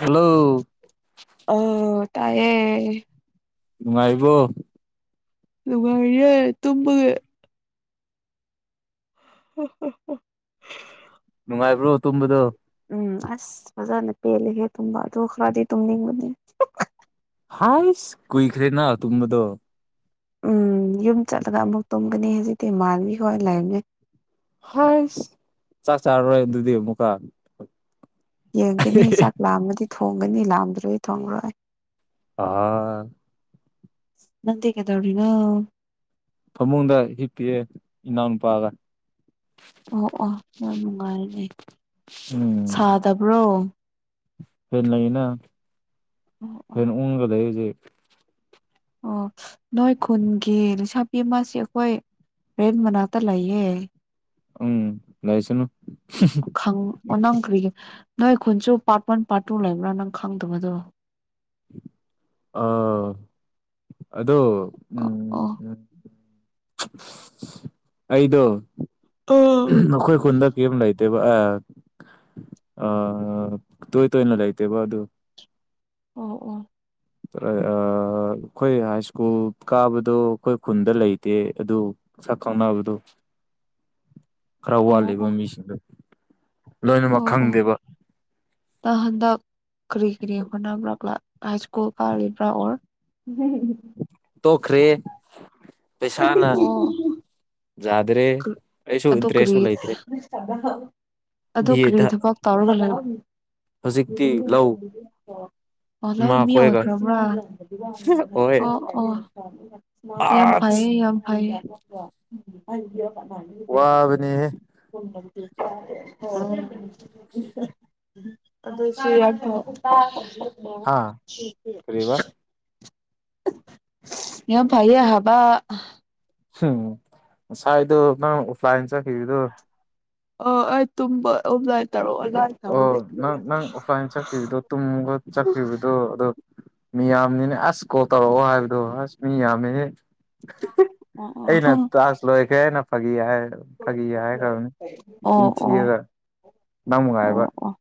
Hello ꯑꯣ ꯇꯥꯏꯌꯦ ꯅꯨꯡꯉꯥꯏꯔꯤꯕꯣ ꯅꯨꯡꯉꯥꯢꯔꯤꯌꯦ ꯇꯨꯝꯃꯒ ꯎ ꯍ [unintelligible] ꯅꯨꯡꯉꯥꯏꯕ꯭ꯔꯣ ꯇꯨꯝꯕꯗꯣ ꯎꯝ ꯑꯁ ꯐꯖꯅ ꯄꯦꯜꯂꯒꯦ ꯇꯨꯝꯕ ꯑꯗꯨ ꯈꯔꯗꯤ ꯇꯨꯝꯅꯤꯡꯕꯅꯤ ꯍꯥꯏꯁ ꯀꯨꯏꯈ꯭ꯔꯦꯅ ꯇꯨꯝꯕꯗꯣ ꯎꯝ ꯌꯨꯝ ꯆꯠꯂꯒ ꯑꯃꯨꯛ ꯇꯨꯝꯒꯅꯤ ꯍꯧꯖꯤꯛꯇꯤ ꯃꯥꯥꯟꯕꯤ ꯍꯣꯏ ꯂꯩꯕꯅꯦ ꯍꯁ ꯆꯥꯛ ꯆꯥꯔꯔꯣꯏ ꯑꯗꯨꯗꯤ ꯑꯃꯨꯛꯀꯥ ꯌꯦꯡꯒꯅꯤ ꯆꯥꯛ ꯂꯥꯝꯃꯗꯤ ꯊꯣꯡꯒꯅꯤ ꯂꯥꯝꯗ꯭ꯔꯗꯤ ꯊꯣꯡꯂꯣꯏ ꯑꯥ ꯅꯪꯗꯤ ꯀꯩꯗꯧꯔꯤꯅꯣ ꯐꯃꯨꯡꯗ ꯍꯤꯞ ꯄꯤꯛꯑꯦ ꯏꯅꯥꯎꯅꯨꯄꯥꯒ ꯑꯣ ꯑꯣ ꯌꯥꯝ ꯅꯨꯡꯉꯥꯏꯅꯦ ꯎꯝ ꯁꯥꯗꯕ꯭ꯔꯣ ꯂꯩꯅ ꯑꯣ ꯑꯣ [unintelligible] [unintelligible] ꯑꯣ ꯅꯣꯏ ꯈꯨꯟꯒꯤ ꯂꯩꯁꯥꯕꯤ ꯑꯃꯁꯤ ꯑꯩꯈꯣꯏ ꯔꯦꯟ ꯃꯅꯥꯛꯇ ꯂꯩꯌꯦ ꯎꯝ ꯂꯩꯁꯅꯨ ꯑꯣ ꯅꯪ ꯀꯔꯤꯒꯤ ꯅꯣꯏ ꯈꯨꯟꯁꯨ ꯄꯥꯔꯠ ꯋꯥꯟ ꯄꯥꯔꯠ ꯇꯨ ꯂꯩꯕ꯭ꯔꯥ ꯅꯪ ꯈꯪꯗꯕꯗꯣ ꯑꯥ ꯑꯗꯣ ꯑꯣ ꯑꯣ ꯎꯝ ꯎꯝ ꯑꯩꯗꯣ ꯑꯥ ꯑꯈꯣꯏ ꯈꯨꯟꯗ ꯌꯨꯝ ꯂꯩꯇꯦꯕ ꯑ ꯇꯣꯏ ꯇꯣꯏꯅ ꯂꯩꯇꯦꯕ ꯑꯗꯨ ꯑꯣ ꯑꯣ ꯑꯩꯈꯣꯏ ꯍꯥꯏ ꯁ꯭ꯀꯨꯜ ꯀꯥꯕꯗꯣ ꯑꯩꯈꯣꯏ ꯈꯨꯟꯗ ꯂꯩꯇꯦ ꯑꯗꯨ ꯁꯛ ꯈꯪꯅꯕꯗꯣ ꯈꯔ ꯑꯣ ꯋꯥꯠꯂꯤꯕ ꯑꯣ ꯃꯤꯁꯤꯡꯗꯣ ꯂꯣꯏꯅꯃꯛ ꯑꯣ ꯑꯣ ꯈꯪꯗꯦꯕ ꯅꯪ ꯍꯟꯗꯥꯛ ꯀꯔꯤ ꯀꯔꯤ ꯍꯣꯠꯅꯕ꯭ꯔꯥ ꯍꯥꯏ ꯁ꯭ꯀꯨꯜ ꯄꯥꯜꯂꯤꯕ꯭ꯔꯥ ꯑꯣꯔ ꯇꯣꯛꯈ꯭ꯔꯦ ꯑꯣ ꯌꯥꯥꯗ꯭ꯔꯦ ꯑꯗꯨ ꯀꯔꯤ ꯑꯗꯨ ꯕꯤ ꯀꯔꯤ ꯑꯦꯗ ꯊꯕꯛ ꯇꯥꯎꯔꯒ ꯂꯩ ꯍꯧꯖꯤꯛꯇꯤ ꯂꯧ ꯑꯣ ꯂꯧ ꯏꯃꯥ ꯃꯤ ꯈꯣꯏꯒ ꯑꯣꯏꯈ꯭ꯔꯕ꯭ꯔꯥ ꯍꯣꯏ ꯑꯣ ꯑꯣ ꯌꯥꯝ ꯑꯁ ꯐꯥꯏꯌꯦ ꯌꯥꯝ ꯐꯥꯏ ꯋꯥꯕꯅꯦꯍꯦ [unintelligible] [unintelligible] ꯍꯥ ꯀꯔꯤꯕ [unintelligible] ꯌꯥꯝ ꯐꯩꯌꯦ ꯍꯕꯥ ꯎꯝ ꯉꯁꯥꯏꯗꯣ ꯅꯪ ꯑꯣꯐꯂꯥꯏꯟ ꯆꯠꯈꯤꯕꯗꯣ ꯑꯣ ꯑꯩ ꯇꯨꯝꯕ ꯑꯣꯐꯂꯥꯏꯟ ꯇꯧꯔꯣ ꯑꯣꯟꯂꯥꯏꯟ ꯑꯣ ꯇꯧꯕꯗꯤ ꯅꯪ ꯀꯔꯤꯔ ꯅꯪ ꯑꯣꯐꯂꯥꯏꯟ ꯆꯠꯈꯤꯕꯗꯣ ꯇꯨꯡꯒ ꯆꯠꯈꯤꯕꯗꯣ ꯑꯗꯣ ꯃꯤ ꯌꯥꯝꯅꯤꯅꯦ ꯑꯁ ꯀꯣꯜ ꯇꯧꯔꯛꯑꯣ ꯍꯥꯏꯕꯗꯣ ꯑꯁ ꯃꯤ ꯌꯥꯝꯃꯦꯍꯦ ꯑꯣ ꯑꯩꯅ ꯑꯣ ꯇꯥꯁ ꯂꯣꯏꯈ꯭ꯔꯦ ꯍꯥꯏꯅ ꯐꯥꯒꯤ ꯍꯥꯏ ꯐꯥꯒꯤ ꯍꯥꯏꯈꯔꯕꯅꯤ ꯑꯣ ꯏꯆꯤꯟ ꯑꯣ ꯑꯣ ꯊꯤꯔꯒ ꯅꯪ ꯅꯨꯡꯉꯥꯏꯕ ꯑꯣ ꯑꯣ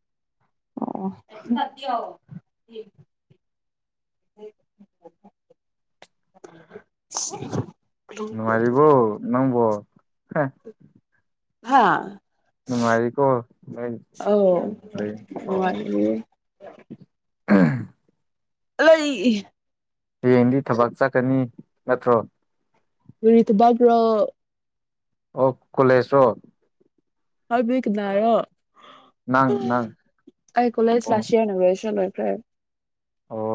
ꯑꯣ [unintelligible] [inaudible] ꯅꯨꯉꯥꯏꯔꯤꯕꯣ ꯅꯪꯝꯕꯣ ꯍꯥꯥ ꯅꯨꯡꯉꯥꯏꯔꯤꯀꯣ [unintelligible] ꯅꯨꯉꯥꯏꯔꯤꯌꯦ [unintelligible] ꯍꯌꯦꯡꯗꯤ ꯊꯕꯛ ꯆꯠꯀꯅꯤ ꯅꯠꯇ꯭ꯔꯣ ꯀꯔꯤ ꯊꯕꯥꯛꯔꯣ ꯑꯣ ꯀꯣꯂꯦꯖꯔꫭ ꯍꯥꯏꯕꯗꯤ ꯀꯅꯥꯔꯣ ꯅꯪ ꯅꯪ ꯑꯩ ꯀꯣꯂꯦꯖ ꯂꯥꯁ ꯏꯌꯥꯔꯅ ꯒ꯭ꯔꯦꯖ꯭ꯋꯦꯁꯟ ꯂꯣꯏꯈ꯭ꯔꯦ ꯑꯣ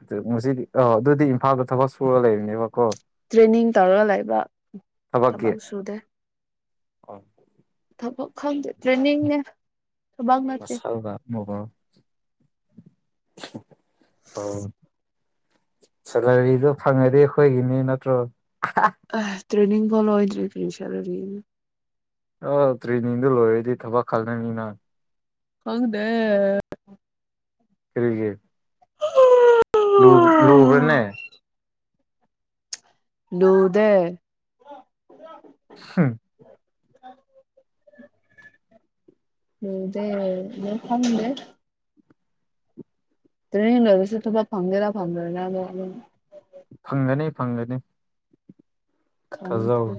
ꯑꯗꯨ ꯉꯁꯤꯗꯤ ꯑꫭ ꯑꯗꯨꯗꯤ ꯏꯝꯐꯥꯜꯗ ꯊꯕꯛ ꯁꯨꯔꯒ ꯂꯩꯕꯅꯦꯕ ꯇ꯭ꯔꯦꯅꯤꯡ ꯇꯧꯔꯒ ꯂꯩꯕ ꯊꯕꯛ ꯁꯨꯗꯦ ꯑ ꯊꯕꯛ ꯈꯪꯗꯦ ꯇ꯭ꯔꯦꯟꯅꯤꯡꯅꯦ ꯊꯕꯛ ꯅꯠꯇꯦ [unintelligible] ꯑꯣ ꯁꯦꯂꯔꯤꯗꯣ ꯐꯪꯉꯗꯤ ꯈꫭꯏꯒꯤꯅꯤ ꯅꯠꯇ꯭ꯔꯣ ꯑ ꯇ꯭ꯔꯦꯅꯤꯡ ꯐꯧ ꯂꯣꯏꯗ꯭ꯔꯤ ꯀ꯭ꯔꯤ ꯁꯦꯂꯔꯤꯅꫭ ꯑ ꯇ꯭ꯔꯤꯅꯤꯟꯗꯨ ꯂꯣꯏꯔꯗꯤ ꯊꯕꯛ ꯈꯜꯂꯅꯤꯅ ꯈꯪꯗꯦ ꯀꯔꯤꯒꯤ ꯂꯨꯕ ꯂꯨꯕ꯭ꯔꯦꯅꯦ ꯂꯨꯗꯦ [unintelligible] ꯂꯨꯗꯦ ꯑꯗꯨ ꯈꯪꯗꯦ ꯇ꯭ꯔꯦꯅꯤꯡ ꯂꫭꯏꯔꯁꯨ ꯊꯕꯛ ꯐꯪꯒꯦꯔ ꯐꯪꯂꫭꯏꯔ ꯑꯗꫭ ꯑꯗꯨꯝ ꯐꯪꯒꯅꯤ ꯐꯪꯒꯅꯤ ꯊꯥꯖꯧ ꯈꯪꯗꯦ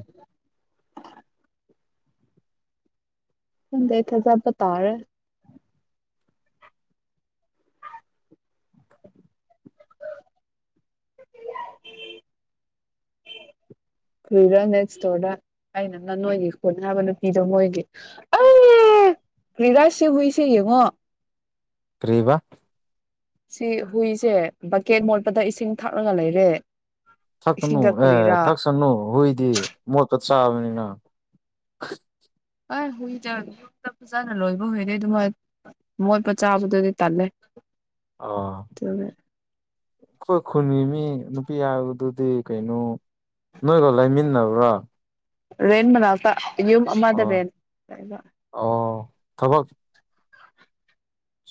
ꯈꯪꯗꯦ ꯑꯩ ꯊꯥꯗꯠꯄ ꯇꯔꯦ꯫ ꯍꯨꯏꯔ ꯅꯦꯠ ꯏꯁꯇꯣꯔꯗ ꯑꯩꯅ ꯅ ꯅꯣꯏꯒꯤ ꯍꯣꯠꯅꯅꯕ ꯅꯨꯄꯤꯗꯣ ꯃꯣꯏꯒꯤ ꯑꯩ ꯀꯔꯤꯔꯖꯁꯦ ꯍꯨꯏꯁꯦ ꯌꯦꯡꯉꯣ꯫ ꯀꯔꯤ ꯍꯥꯏꯕ ꯁꯤ ꯍꯨꯏꯁꯦ ꯕꯛꯀꯦꯠ ꯃꯣꯠꯄꯗ ꯏꯁꯤꯡ ꯊꯛꯂꯒ ꯂꯩꯔꯦ꯫ ꯊꯛꯀꯅꯨ ꯏꯁꯤꯡꯒ ꯑꯦ ꯀꯔꯤꯔꯥ ꯊꯛꯁꯅꯨ ꯍꯨꯏꯗꯤ ꯃꯣꯠꯄ ꯆꯥꯕꯅꯤꯅ꯫ ꯑ ꯍꯨꯏꯗ ꯐꯖꯅ ꯂꯣꯏꯕ ꯍꯨꯏꯅꯦ ꯑꯗꯨꯃꯥꯏ ꯃꯣꯠꯄ ꯆꯥꯕꯗꯨꯗꯤ ꯇꯜꯂꯦ꯫ ꯑꯣ ꯑꯗꯨꯅ ꯑꯩꯈꯣꯏ ꯈꯨꯟꯒꯤ ꯃꯤ ꯅꯨꯄꯤ ꯍꯥꯏꯕꯗꯨꯗꯤ ꯀꯩꯅꯣ꯫ ꯅꯣꯏꯒꯣ ꯂꯩꯃꯤꯟꯅꯕ꯭ꯔꯥ꯫ ꯔꯦꯟ ꯃꯅꯥꯛꯇ ꯌꯨꯝ ꯑꯃꯗ ꯑꯣ ꯔꯦꯟ ꯂꯩꯕ ꯑꯣ ꯊꯕꯛ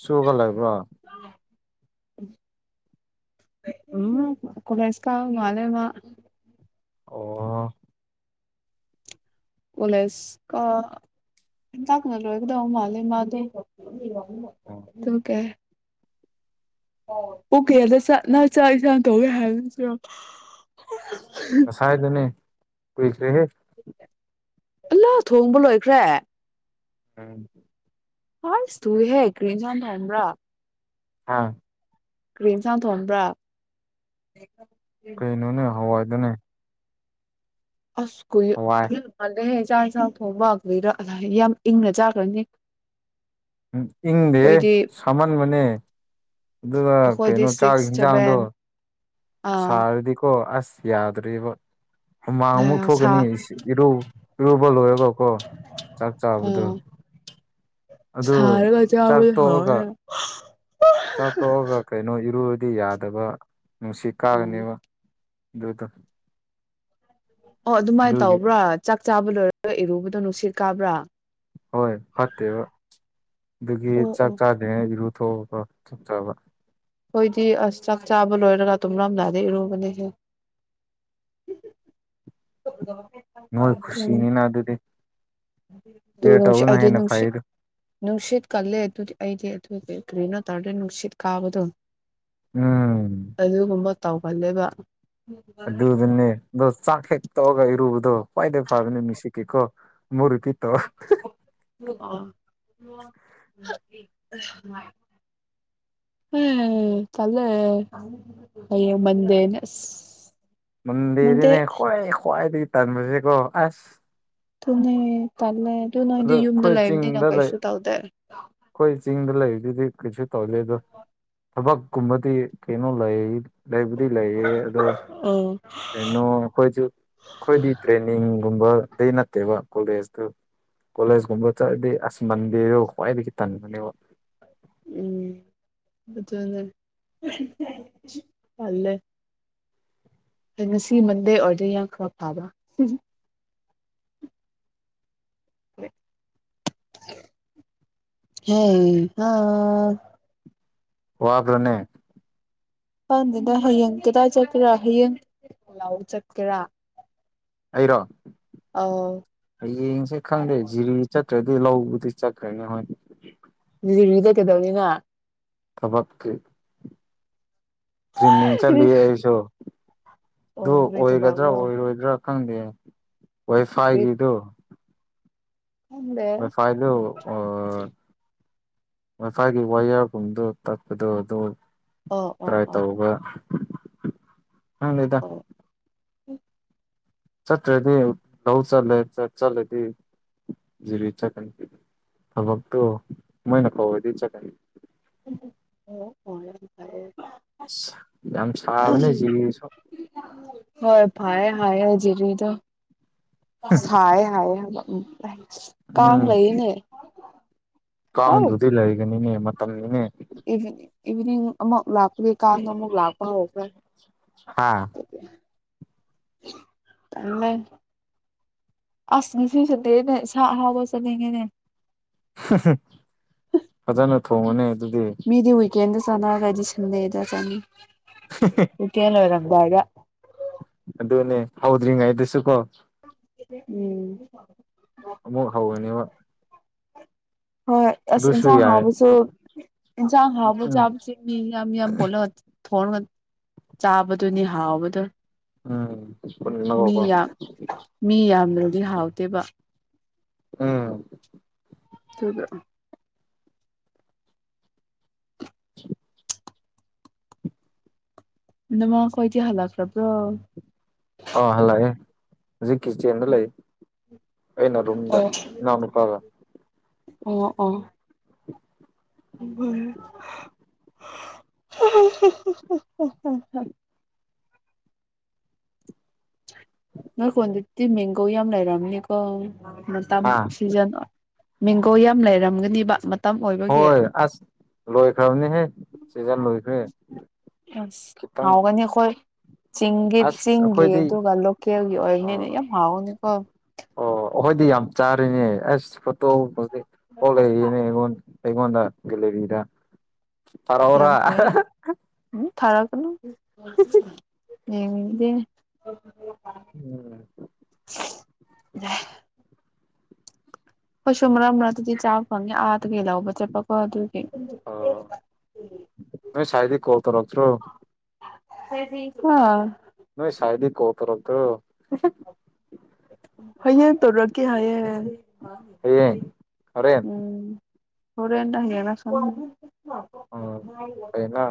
ꯁꯨꯔꯒ ꯂꯩꯕ꯭ꯔꯣ [inaudible] ꯎꯝ ꯀꯂꯦꯁ ꯀꯥ ꯃꯥꯂꯦ ꯃꯥ ꯑꯣ ꯑꯣꯂꯦꯁ ꯀꯣ ꯍꯟꯇꯥꯛꯅ ꯂꯣꯒꯗꯧ ꯃꯥꯂꯦ ꯃꯥꯗꯤ ꯇꯨ ꯀꯦ ꯑꯣꯀꯦꯗ ꯅꯪ ꯆꯥꯛ ꯏꯥꯡꯅ ꯇꯧꯋꯦ ꯍꯥꯏꯕ ꯅꯠꯇꯔꯣ ꯍꯥꯏꯕꯅꯦ ꯀꯈ꯭ꯔꯦꯍꯦ ꯂꯥꯛ ꯊꯣꯡꯕ ꯂꯣꯏꯈ꯭ꯔꯦ꯫ ꯎꯝ ꯍꯁ ꯊꯨꯏꯍꯦ ꯀ꯭ꯔꯤ ꯌꯦꯟꯖꯥꯡ ꯊꯣꯡꯕꯔ꯫ ꯍꯥꯥ ꯀ꯭ꯔꯤ ꯌꯦꯟꯖꯥꯡ ꯊꯣꯡꯕ꯭ꯔꯥ ꯀꯩꯅꯣꯅꯦ ꯍꯋꯥꯏꯗꯨꯅꯦ꯫ ꯑꯁ ꯀꯨꯏ ꯍꯋꯥꯏ ꯑꯗꯨ ꯃꯥꯜꯂꯦ ꯆꯥꯛ ꯌꯦꯟꯖꯥꯡ ꯊꯣꯡꯕ ꯀꯔꯤꯔ ꯌꯥꯝ ꯏꯪꯅ ꯆꯥꯈ꯭ꯔꯅꯤ꯫ ꯎ ꯏꯪꯗꯦ ꯑꯩꯈꯣꯏꯗꯤ ꯁꯥꯝꯃꯟꯕꯅꯦ ꯑꯗꯨꯒ ꯑꯩꯈꯣꯏꯗꯤ ꯀꯩꯅꯣ ꯆꯥꯛ ꯁꯤꯛꯁ ꯍꯤꯟꯖꯥꯡꯗꯣ ꯁꯚꯦꯟ ꯁꯥꯔꯗꯤꯀꯣ ꯑꯁ ꯌꯥꯗ꯭ꯔꯦꯕ꯫ ꯍꯨꯃꯥꯡ ꯑꯃꯨꯛ ꯑꯥ ꯁꯥ ꯊꯣꯛꯀꯅꯤ ꯏꯔꯨ ꯏꯔꯨꯕ ꯂꯣꯏꯔꯒꯀꯣ꯫ ꯆꯥꯛ ꯆꯥꯕꯗꯨꯣ ꯑꯥ ꯑꯗꯨ ꯁꯥꯔꯒ ꯆꯥꯛ ꯆꯥꯕꯗꯣ ꯇꯣꯛꯑꯒ ꯍꯥꯎꯋꯦ ꯆꯥꯛꯊꯣꯛꯑꯒ ꯀꯩꯅꯣ ꯏꯔꯨꯔꯗꯤ ꯌꯥꯗꯕ ꯅꯨꯡꯁꯤꯠ ꯎꯝ ꯀꯥꯒꯅꯦꯕ ꯑꯗꯨꯗꯣ꯫ ꯑꯣ ꯑꯗꯨꯃꯥꯏꯅ ꯑꯗꯨꯒꯤ ꯇꯧꯕ꯭ꯔꯥ ꯆꯥꯛ ꯆꯥꯕ ꯂꯣꯏꯔꯒ ꯏꯔꯨꯕꯗꯣ ꯅꯨꯡꯁꯤꯠ ꯀꯥꯕ꯭ꯔꯥ꯫ ꯍꯣꯏ ꯐꯠꯇꯦꯕ ꯑꯗꯨꯒꯤ ꯑꯣ ꯆꯥꯛ ꯑꯣ ꯆꯥꯗ꯭ꯔꯤꯉꯩ ꯏꯔꯨꯊꯣꯛꯑꯀ ꯆꯥꯛ ꯆꯥꯕ꯫ ꯑꯩꯈꯣꯏꯗꯤ ꯑꯁ ꯆꯥꯛ ꯆꯥꯕ ꯂꯣꯏꯔꯒ ꯇꯨꯝꯂꯝꯗꯥꯏꯗ ꯏꯔꯨꯕꯅꯤꯍꯦ꯫ [inaudible] ꯅꯣꯏ ꯈꯨꯨꯁꯤꯅꯤꯅ ꯑꯗꯨꯗꯤ ꯇꯨ ꯀꯦꯌꯔ ꯅꯨꯡꯁꯤ ꯇꯧꯕꯅ ꯑꯗꯤ ꯍꯦꯟꯅ ꯅꯨꯡꯁꯤ ꯐꯩꯗ ꯅꯨꯡꯁꯤꯠ ꯀꯜꯂꯦ ꯑꯗꯨꯗꯤ ꯑꯩꯗꯤ ꯑꯗꯨ ꯀꯔꯤꯅꯣ ꯇꯧꯔꯗꯤ ꯅꯨꯡꯁꯤꯠ ꯀꯥꯕꯗꯣ꯫ ꯎꯝ ꯑꯗꯨꯒꯨꯝꯕ ꯇꯧꯒꯜꯂꯦꯕ꯫ ꯑꯗꯨꯗꯅꯦ ꯑꯗꯣ ꯆꯥꯛ ꯍꯦꯛ ꯇꯣꯛꯔꯒ ꯏꯔꯨꯕꯗꯣ ꯈ꯭ꯋꯥꯏꯗꯩ ꯐꯕꯅꯦ ꯃꯤꯁꯤꯛꯀꯤꯀꯣ꯫ [unintelligible] [unintelligible] ꯎꯝ ꯇꯜꯂꯦ꯫ ꯍꯌꯦꯡ ꯃꯟꯗꯦꯅꯦ ꯑꯁ ꯃꯟꯗꯦ ꯃꯟꯗꯦꯅꯤꯅꯦ ꯈ꯭ꯋꯥꯏ ꯈ꯭ꯋꯥꯏꯗꯒꯤ ꯇꯟꯕꯁꯦꯀꯣ ꯑꯁ ꯑꯗꯨꯅꯦ ꯇꯜꯂꯦ ꯑꯗꯨ ꯅꯣꯏꯗꯤ ꯑꯗꯣ ꯌꯨꯝꯗ ꯑꯩꯈꯣꯏ ꯂꯩꯕꯅꯤꯅ ꯆꯤꯡꯗ ꯂꯩ ꯀꯩꯁꯨ ꯇꯧꯗꯦ ꯑꯩꯈꯣꯏ ꯆꯤꯡꯗ ꯂꯩꯕꯗꯨꯗꯤ ꯀꯩꯁꯨ ꯇꯧꯗꯦ ꯑꯗꯨ ꯊꯕꯛꯀꯨꯝꯕꯗꯤ ꯀꯩꯅꯣ ꯂꯩ ꯂꯩꯕꯨꯗꯤ ꯂꯩꯌꯦ ꯑꯗꯣ ꯑꯥ ꯅꯣ ꯑꯩꯈꯣꯏꯖꯨ ꯑꯩꯈꯣꯏꯗꯤ ꯇ꯭ꯔꯦꯟꯅꯤꯡꯒꯨꯝꯕꯗꯩ ꯅꯠꯇꯦꯕ ꯀꯣꯂꯦꯖꯇꯨ ꯀꯣꯂꯦꯖꯀꯨꯝꯕ ꯆꯠꯂꯗꯤ ꯑꯁ ꯃꯟꯗꯦꯗꯣ ꯈ꯭ꯋꯥꯏꯗꯒꯤ ꯇꯟꯕꯅꯦꯕ ꯎꯝ ꯑꯗꯨꯨꯅꯦ ꯇꯜꯂꯦ ꯉꯁꯤ ꯃꯟꯗꯦ ꯑꯣꯏꯔꯗꯤ ꯌꯥꯝ ꯈꯔ ꯐꯥꯕ [unintelligible] ꯋꯥꯕ꯭ꯔꯅꯦ ꯋꯥꯗꯦꯗ ꯍꯌꯦꯡ ꯀꯗꯥꯏ ꯆꯠꯀꯦꯔꯥ ꯍꯌꯦꯡ ꯂꯧ ꯆꯠꯀꯦꯔꯥ ꯑꯩꯔꯣ ꯑꯧ ꯍꯌꯦꯡꯁꯦ ꯈꯪꯗꯦ ꯖꯤꯔꯤ ꯆꯠꯇ꯭ꯔꯗꯤ ꯂꯧꯕꯗꯤ ꯆꯠꯈ꯭ꯔꯅꯤ ꯍꯣꯏ [unintelligible] ꯀꯩꯗꯧꯅꯤ ꯅꯣꯏ ꯊꯕꯛꯀꯤ ꯇ꯭ꯔꯦꯟꯅꯤꯡ ꯆꯠꯂꯤꯌꯦ ꯑꯩꯁꯨ ꯑꯗꯨ ꯑꯣ ꯀꯔꯤ ꯑꯣꯏꯒꯗ꯭ꯔꯥ ꯊꯕꯛꯔꯣ ꯑꯣꯏꯔꯣꯏꯗ꯭ꯔꯥ ꯈꯪꯗꯦ ꯀꯔꯤ ꯋꯥꯏꯐꯥꯏꯒꯤꯗꯨ ꯈꯪꯗꯦ ꯋꯥꯏꯐꯥꯏꯗꯨ ꯑꯥ ꯋꯥꯏꯐꯥꯏꯒꯤ ꯋꯥꯌꯔꯒꯨꯝꯕꯗꯨ ꯇꯠꯄꯗꯨ ꯑꯗꯨ ꯑꯣ ꯑꯣ ꯇ꯭ꯔꯥꯏ ꯑꯣ ꯇꯧꯕ ꯈꯪꯗꯦꯗ [unintelligible] ꯆꯠꯇ꯭ꯔꯗꯤ ꯂꯧ ꯆꯠꯂꯦ ꯆꯠ ꯆꯠꯂꯗꯤ ꯖꯤꯔꯤ ꯆꯠꯀꯅꯤ ꯊꯕꯛꯇꯣ ꯃꯣꯏꯅ ꯀꯧꯔꯗꯤ ꯆꯠꯀꯅꯤ ꯑꯣ [unintelligible] ꯑꯁ ꯌꯥꯝ ꯁꯥꯕꯅꯦ ꯖꯤꯔꯤꯁꯨ ꯍꯣꯏ ꯐꯩꯌꯦ ꯍꯥꯏꯌꯦ ꯖꯤꯔꯤꯗꯣ ꯁꯥꯏ ꯍꯥꯏꯌꯦ ꯍꯥꯏꯕ ꯎꯝ ꯀꯥꯡ ꯎꯝ ꯂꯩꯌꯦꯅꯦ ꯑꯧ ꯀꯥꯡꯕꯨꯗꯤ ꯂꯩꯒꯅꯤꯅꯦ ꯃꯇꯝꯅꯤꯅꯦ ꯏꯚꯤꯅꯤꯡ ꯏꯚꯤꯅꯤꯡ ꯑꯃꯨꯛ ꯂꯥꯛꯄꯒꯤ ꯀꯥꯡ ꯑꯃꯨꯛ ꯂꯥꯛꯄ ꯍꯧꯈ꯭ꯔꯦ [inaudible] ꯇꯜꯂꯦ ꯑꯁ ꯉꯁꯤ ꯁꯨꯇꯤꯅꯦ ꯏꯟꯁꯥꯡ ꯑꯍꯥꯎꯕ ꯆꯥꯅꯤꯡꯉꯦꯅꯦ ꯐꯖꯅ ꯊꯣꯡꯉꯣꯅꯦ ꯑꯗꯨꯗꯤ ꯑꯩꯗꯤ ꯋꯤꯀꯦꯟꯗ ꯆꯥꯅꯔꯗꯤ ꯁꯟꯗꯦꯗ ꯆꯥꯅꯤ [unintelligible] ꯇꯨꯌꯦꯜꯐ ꯂꯣꯏꯔꯝꯗꯥꯏꯗ ꯑꯗꯨꯅꯦ ꯍꯧꯗ꯭ꯔꯤꯉꯩꯗꯁꯨꯀꯣ ꯎꯝ ꯑꯃꯨꯛ ꯍꯧꯔꯅꯦꯕ ꯍꯣꯏ ꯑꯁ ꯑꯗꯨꯁꯨ ꯑꯦꯟꯁꯥꯡ ꯌꯥꯏ ꯍꯥꯎꯕꯁꯨ ꯏꯟꯁꯥꯡ ꯍꯥꯎꯕ ꯎꯝ ꯆꯥꯕꯁꯤ ꯃꯤ ꯌꯥꯝ ꯌꯥꯝ ꯄꯨꯜꯂꯒ ꯊꯣꯡꯂꯒ ꯆꯥꯕꯗꯨꯅꯤ ꯍꯥꯎꯕꯗꯨ ꯎꯝ ꯄꯨꯜꯂꯒ ꯀꯣ ꯃꯤ ꯌꯥꯝꯗꯔ꯭ꯗꯤ ꯍꯥꯎꯇꯦꯕ ꯎꯝ ꯗꯨꯗ ꯅꯃꯥ ꯈꯣꯏꯗꯤ ꯍꯜꯂꯛꯂꯕ꯭ꯔꯣ ꯑ ꯍꯜꯂꯛꯑꯦ ꯍꯧꯖꯤꯛꯀꯤ ꯆꯦꯟꯗꯣꯂꯩ ꯑꯩꯅ ꯔꯨꯝꯗ ꯑꯣ ꯏꯅꯥꯎꯅꯨꯄꯥꯒ ꯑꯣ ꯑꯣ [unintelligible] [unintelligible] ꯅꯣꯏꯈꯨꯟꯗꯨ ꯇꯤ ꯃꯦꯡꯒꯣ ꯌꯥꯝ ꯂꯩꯔꯝ ꯅꯤꯀꯣ ꯃꯇꯝ ꯍꯥ ꯁꯤꯖꯟ ꯑꯣꯏ ꯃꯦꯡꯒꯣ ꯌꯥꯝ ꯂꯩꯔꯝꯒꯅꯤꯕ ꯃꯇꯝ ꯑꯣꯏꯕꯒꯤ ꯍꯣꯏ ꯑꯁ ꯂꯣꯏꯈ꯭ꯔꯝꯅꯤꯍꯦ ꯁꯤꯖꯟ ꯂꯣꯏꯈ꯭ꯔꯦ ꯑꯁ ꯈꯤꯇꯪ ꯍꯥꯎꯋꯦꯠ ꯅꯦꯈꯣꯏ ꯆꯤꯡꯒꯤ ꯑꯁ ꯆꯤꯡꯒꯤ ꯑꯩꯈꯣꯏꯗꯤ ꯑꯗꯨꯒ ꯂꯣꯀꯦꯜꯒꯤ ꯑ ꯑꯣꯏꯅꯤꯅ ꯌꯥꯝ ꯍꯥꯎꯋꯅꯤꯀꯣ ꯑꯣ ꯑꯣꯈꯣꯏꯗꯤ ꯌꯥꯝ ꯆꯥꯔꯤꯅꯦ ꯑꯁ ꯐꯣꯇꯣ [unintelligible] ꯂꯩꯔꯤꯅꯦ ꯑꯩꯉꯣꯟ ꯑꯩꯉꯣꯟꯗ ꯒꯦꯂꯔꯤꯗ ꯊꯥꯔꯛꯑꯣꯔꯥ ꯌꯥꯝꯐꯩ ꯎꯝ ꯊꯥꯔꯛꯒꯅꯨ ꯌꯦꯡꯅꯤꯡꯗꯦ ꯎꯝ [unintelligible] ꯈꯣꯏꯁꯨ ꯃꯔꯛ ꯃꯔꯛꯇꯗꯤ ꯆꯥꯕ ꯐꯪꯉꯦ ꯑꯥꯗꯒꯤ ꯂꯧꯕ ꯆꯠꯄꯀꯣ ꯑꯗꯨ ꯑꯣ ꯅꯣꯏ ꯁꯥꯏꯗꯤ ꯀꯣꯜ ꯇꯧꯔꯛꯇ꯭ꯔꯣ [unintelligible] ꯍꯥ ꯅꯣꯏ ꯁꯥꯏꯗꯤ ꯀꯣꯜ ꯇꯧꯔꯛꯇ꯭ꯔꯣ ꯍꯌꯦꯡ ꯇꯧꯔꯛꯀꯦ ꯍꯥꯏꯌꯦ ꯍꯌꯦꯡ ꯍꯣꯔꯦꯟ ꯎꯝ ꯍꯣꯔꯦꯟꯂ ꯍꯌꯦꯡꯂ ꯈꯪꯗꯦ ꯀꯔꯤꯅꯣ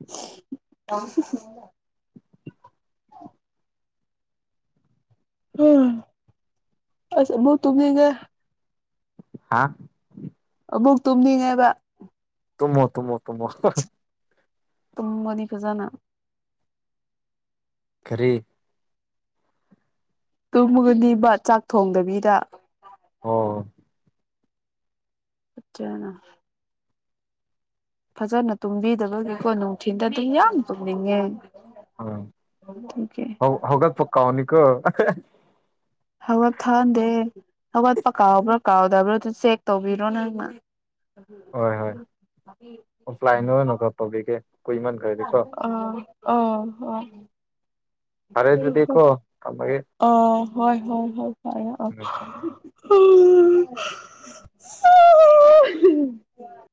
[unintelligible] ꯍꯥ ꯑꯁ ꯑꯃꯨꯛ ꯇꯨꯝꯅꯤꯡꯉꯦ ꯍꯥ ꯑꯃꯨꯛ ꯇꯨꯝꯅꯤꯡꯉꯦꯕ ꯇꯝꯃꯣ ꯇꯨꯝꯃꯣ ꯇꯨꯝꯃꯣ ꯇꯨꯝꯃꯅꯤ ꯐꯖꯅ ꯀꯔꯤ ꯇꯨꯝꯃꯒꯅꯤꯕ ꯆꯥꯛ ꯊꯣꯡꯗꯕꯤꯗ ꯑꯣ ꯐꯠꯖꯅ ꯐꯖꯅ ꯇꯨꯝꯕꯤꯗꯕꯒꯤꯀꯣ ꯅꯨꯡꯊꯤꯟꯗꯗꯤ ꯌꯥꯝ ꯇꯨꯝꯅꯤꯡꯉꯦ ꯑꯥ ꯑꯗꯨꯒꯤ ꯍꯧ ꯍꯧꯒꯠꯄ ꯀꯥꯎꯅꯤꯀꯣ ꯍꯒꯠ ꯊꯍꯟꯗꯦ ꯍꯧꯒꯠꯄ ꯀꯥꯎꯕ꯭ꯔꯥ ꯀꯥꯎꯗꯕ꯭ꯔꯥ ꯑꯗꯨ ꯆꯦꯛ ꯇꯧꯕꯤꯔꯣ ꯅꯪꯅ ꯍꯣꯏ ꯍꯣꯏ ꯑꯣꯐꯂꯥꯏꯟꯗ ꯑꯣꯏꯅꯀꯣ ꯇꯧꯕꯤꯒꯦ ꯀꯨꯏꯃꯟꯈꯔꯗꯤꯀꯣ ꯑ ꯑꯥ ꯍ ꯐꯔꯦ ꯗꯨꯗꯤ ꯀꯣ ꯊꯝꯃꯒꯦ ꯑꯥ ꯍꯣꯏ ꯍꯣꯏ ꯍꯣꯏ ꯐꯔꯦ ꯑꯥ ꯎꯝ [unintelligible] [unintelligible]